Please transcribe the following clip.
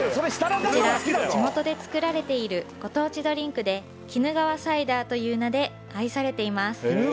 こちら地元で作られているご当地ドリンクで鬼怒川サイダーという名で愛されています